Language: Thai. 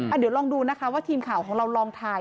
เดี๋ยวลองดูนะคะว่าทีมข่าวของเราลองถ่าย